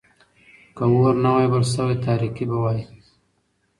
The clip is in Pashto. که اور نه وای بل شوی، تاريکي به وای.